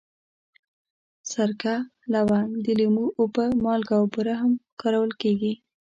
سرکه، لونګ، د لیمو اوبه، مالګه او بوره هم کارول کېږي.